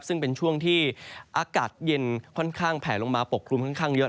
ซึ่งเป็นช่วงที่อากาศเย็นค่อนข้างแผลลงมาปกคลุมค่อนข้างเยอะ